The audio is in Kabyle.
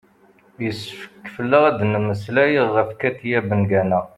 yessefk fell-aɣ ad d-nemmeslay ɣef katia bengana